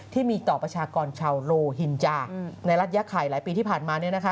ที่มีต่อประชากรชาวโลหินจาในรัฐยะไข่หลายปีที่ผ่านมา